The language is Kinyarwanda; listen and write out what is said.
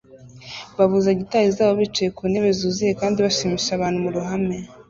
bavuza gitari zabo bicaye ku ntebe zuzuye kandi bashimisha abantu mu ruhame